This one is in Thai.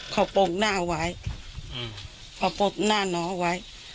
เค้าโปรดหน้าไว้เค้าโปรดหน้าหนอไว้